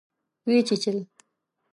وچیچل